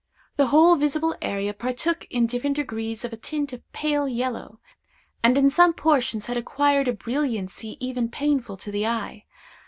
The whole visible area partook in different degrees of a tint of pale yellow, and in some portions had acquired a brilliancy even painful to the eye.